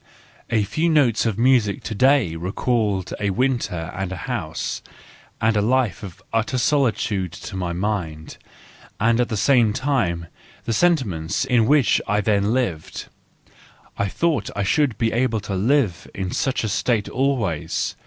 A few notes of music to day recalled a winter and a house, and a life of utter solitude to my mind, and at the same time the sentiments in which I then lived: I thought I should be able to live in such a state always.